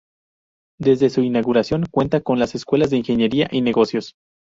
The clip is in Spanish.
Desde su inauguración cuenta con las escuelas de Ingeniería y Negocios.